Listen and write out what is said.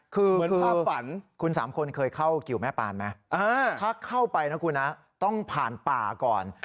คือคุณสามคนเคยเข้ากิวแม่ปานไหมถ้าเข้าไปนะคุณนะต้องผ่านป่าก่อน